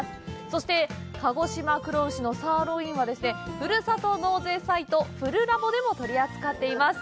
そして、鹿児島黒牛のサーロインはふるさと納税サイト「ふるラボ」でも取り扱っています。